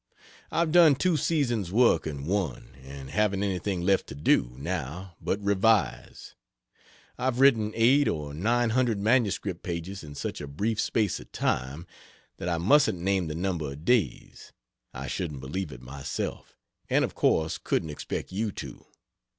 I've done two seasons' work in one, and haven't anything left to do, now, but revise. I've written eight or nine hundred MS pages in such a brief space of time that I mustn't name the number of days; I shouldn't believe it myself, and of course couldn't expect you to.